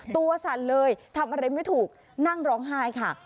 สั่นเลยทำอะไรไม่ถูกนั่งร้องไห้ค่ะ